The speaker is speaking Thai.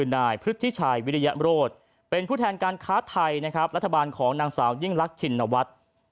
นายพฤทธิชัยวิริยมโรธเป็นผู้แทนการค้าไทยนะครับรัฐบาลของนางสาวยิ่งรักชินวัฒน์